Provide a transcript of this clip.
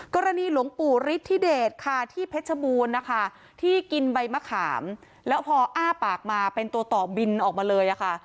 หลวงปู่ฤทธิเดชค่ะที่เพชรบูรณ์นะคะที่กินใบมะขามแล้วพออ้าปากมาเป็นตัวต่อบินออกมาเลยค่ะ